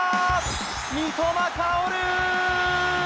三笘薫！